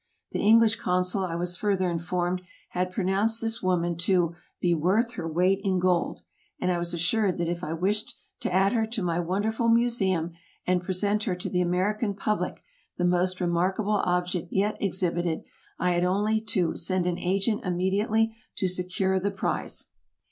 The English consul, I was further informed, had pronounced this woman to be "worth her weight in gold"; and I was assured that if I wished to add her to my "wonderful Museum, and present to the American public the most remarkable object yet exhibited," I had only to "send an agent immediately to secure the prize."